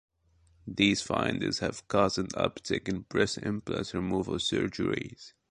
These findings have caused an uptick in breast implant removal surgeries.